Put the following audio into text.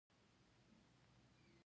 دوی په ګوتو کې فیروزه اچوي.